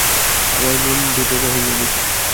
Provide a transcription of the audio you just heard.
আমার মন যে বোবা হইয়া গেছে।